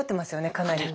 かなり。